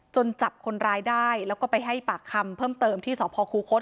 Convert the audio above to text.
จับคนร้ายได้แล้วก็ไปให้ปากคำเพิ่มเติมที่สพคูคศ